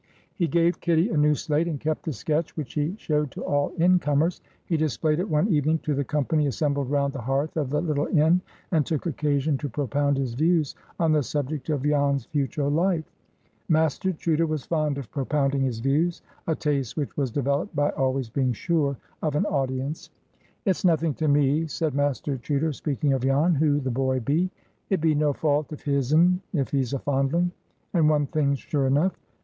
He gave Kitty a new slate, and kept the sketch, which he showed to all in comers. He displayed it one evening to the company assembled round the hearth of the little inn, and took occasion to propound his views on the subject of Jan's future life. (Master Chuter was fond of propounding his views,—a taste which was developed by always being sure of an audience.) "It's nothing to me," said Master Chuter, speaking of Jan, "who the boy be. It be no fault of his'n if he's a fondling. And one thing's sure enough.